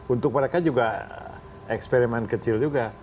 untuk mereka juga eksperimen kecil juga